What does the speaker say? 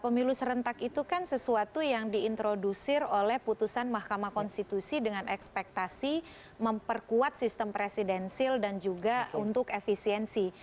pemilu serentak itu kan sesuatu yang diintrodusir oleh putusan mahkamah konstitusi dengan ekspektasi memperkuat sistem presidensil dan juga untuk efisiensi